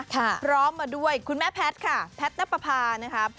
พร้อมมาด้วยคุณแม่แพทย์ค่ะแพทย์นับประพานะครับ